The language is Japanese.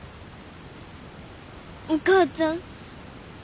お母ちゃん。